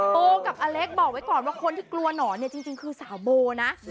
โบกับอเล็กบอกไว้ก่อนว่าคนที่กลัวหนอนเนี่ยจริงคือสาวโบนะ